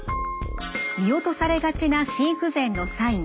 見落とされがちな心不全のサイン。